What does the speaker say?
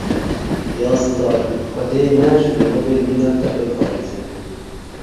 Ya star! Xwedê me ji mirovên mîna te biparêze.